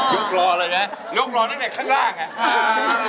กรออะไรนะยกรอตั้งแต่ข้างล่างอ่ะ